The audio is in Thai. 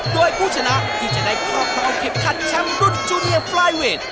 ด้วยผู้ชนะที่จะได้พร้อมเข็บคันแชมป์รุ่นจูเนียร์ไฟล์เวท